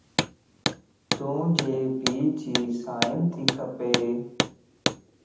توجي پيءَ جي سائن تي کپ